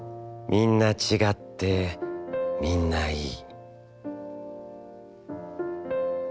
みんなちがって、みんないい」。